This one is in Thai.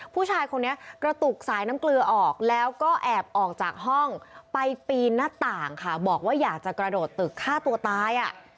ผู้ชายคนนี้กระตุกสายน้ำเกลือออกแล้วก็แอบออกจากห้องไปปีนหน้าต่างค่ะบอกว่าอยากจะกระโดดตึกฆ่าตัวตายอ่ะ